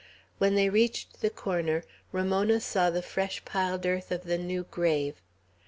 When they reached the corner, Ramona saw the fresh piled earth of the new grave.